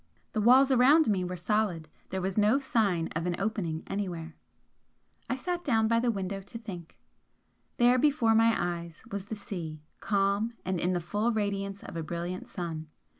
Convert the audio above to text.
The walls around me were solid; there was no sign of an opening anywhere. I sat down by the window to think. There before my eyes was the sea, calm, and in the full radiance of a brilliant sun.